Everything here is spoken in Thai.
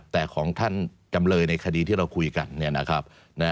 แต่ของท่านจำเลยในคดีที่เราคุยกันเนี่ยนะครับ